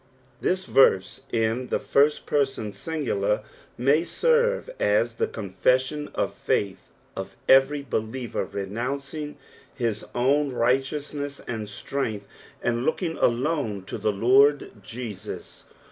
This verse, in the first person singular, may serve as the confession of failh of every believer renonncing nis own nghleonsuess and atrenglh. and looking alone to the Lord Jesus.